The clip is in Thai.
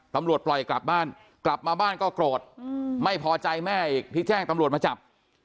ปล่อยกลับบ้านกลับมาบ้านก็โกรธไม่พอใจแม่อีกที่แจ้งตำรวจมาจับ